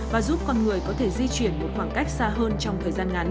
và giúp con người có thể di chuyển một khoảng cách sạch